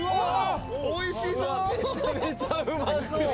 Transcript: おいしそう！